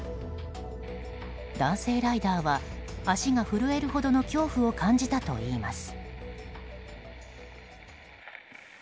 男性ライダーは足が震えるほどの恐怖を感じたといいます。